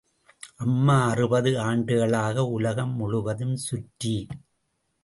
அம்மா அறுபது ஆண்டுகளாக உலகம் முழுவதும் சுற்றி.